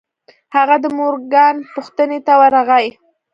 هغه د مورګان پوښتنې ته ورغی.